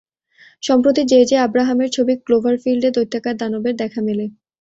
সম্প্রতি J, J, আব্রাহামের ছবি ক্লোভারফিল্ড-এ দৈত্যাকার দানবের দেখা মেলে।